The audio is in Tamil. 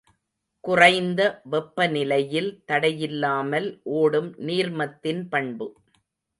குறைந்த வெப்பநிலையில் தடையில்லாமல் ஒடும் நீர்மத்தின் பண்பு.